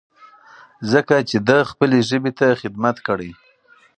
ځکه چې ده خپلې ژبې ته خدمت کړی.